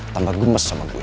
tambah gemes sama gue